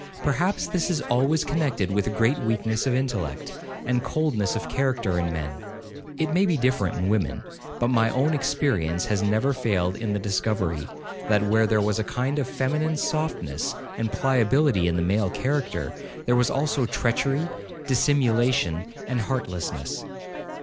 Perhaps this is always connected with great weakness of intellect, and coldness of character in men. (It may be different in women—but my own experience has never failed in the discovery, that where there was a kind of feminine softness and pliability in the male character, there was also treachery, dissimulation, and heartlessness.)